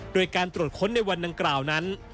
โดยการตรวจค้นในวันดังกล่าวนั้น